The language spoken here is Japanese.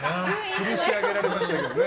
つるし上げられましたけどね。